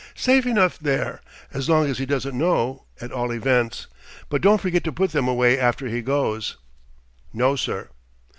"Safe enough there as long as he doesn't know, at all events. But don't forget to put them away after he goes." "No, sir."